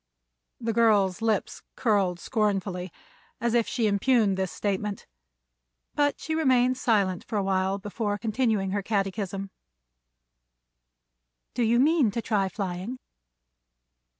The girl's lips curled scornfully, as if she impugned this statement; but she remained silent for a while before continuing her catechism. Then she asked: "Do you mean to try flying?"